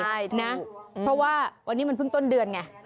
ใช่นะเพราะว่าวันนี้มันเพิ่งต้นเดือนไง